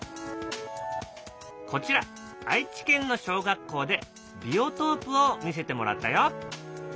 こちら愛知県の小学校でビオトープを見せてもらったよ。